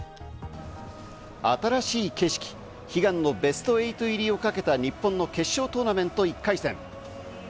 新しい景色、悲願のベスト８入りをかけた日本の決勝トーナメント１回戦。